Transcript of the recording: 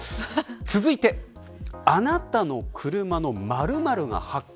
続いてあなたの車の○○が発火。